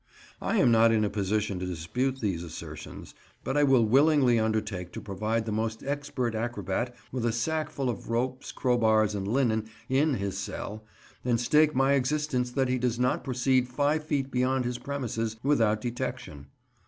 I am not in a position to dispute these assertions, but I will willingly undertake to provide the most expert acrobat with a sack full of ropes, crowbars, and linen, in his cell, and stake my existence that he does not proceed five feet beyond his premises without detection.